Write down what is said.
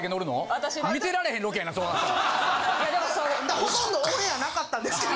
ほとんどオンエアなかったんですけど。